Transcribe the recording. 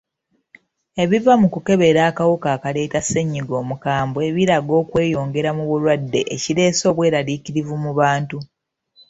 Ebiva mu kukebera akawuka akaleeta ssennyiga omukambwe biraga okweyongera mu balwadde ekireese obweraliikirivu mu bantu.